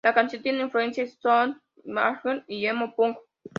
La canción tiene influencias Post Hardcore y Emo Punk.